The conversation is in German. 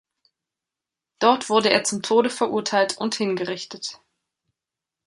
Dort wurde er zum Tode verurteilt und hingerichtet.